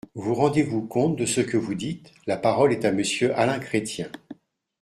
Vous rendez-vous compte de ce que vous dites ? La parole est à Monsieur Alain Chrétien.